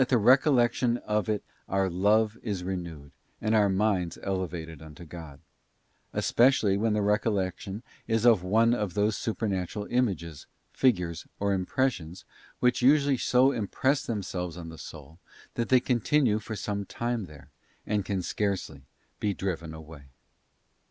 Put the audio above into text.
the recollection of it our love is renewed and our minds elevated unto God; especially when the recollection is of one of those supernatural images, figures, or impressions which usually so impress themselves on the soul that they continue for some time there, and can scarcely be driven away.